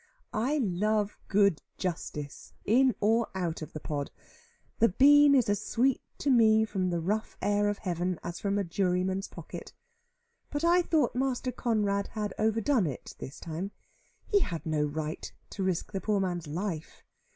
I love good justice, in or out of the pod. The bean is as sweet to me from the rough air of heaven as from a juryman's pocket. But I thought Master Conrad had overdone it this time. He had no right to risk the poor man's life.